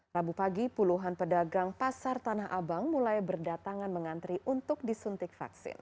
rabu pagi puluhan pedagang pasar tanah abang mulai berdatangan mengantri untuk disuntik vaksin